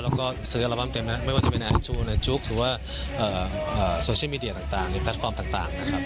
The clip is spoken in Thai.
แล้วก็ซื้ออัลบั้มเต็มนะไม่ว่าจะเป็นแอร์โชว์ในจุ๊กหรือว่าโซเชียลมีเดียต่างหรือแพลตฟอร์มต่างนะครับ